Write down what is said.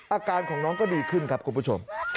อาการของน้องก็ดีขึ้นครับคุณผู้ชม